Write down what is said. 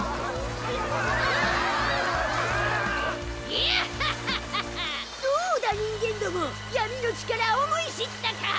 ギャッハッハッハッハどうだ人間ども闇の力思い知ったか！